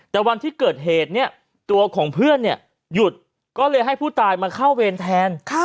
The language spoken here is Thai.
แต่วันที่เกิดเหตุเนี่ยตัวของเพื่อนเนี่ยหยุดก็เลยให้ผู้ตายมาเข้าเวรแทน